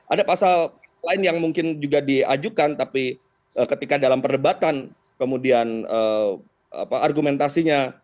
ada pasal lain yang mungkin juga diajukan tapi ketika dalam perdebatan kemudian argumentasinya